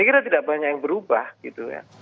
saya kira tidak banyak yang berubah gitu ya